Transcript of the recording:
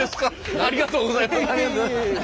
ありがとうございます。